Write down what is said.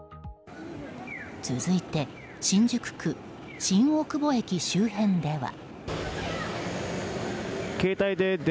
続いて新宿区新大久保駅周辺では。